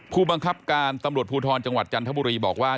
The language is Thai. ผู้บังคับการตำรวจภูทรจังหวัดจันทบุรีบอกว่า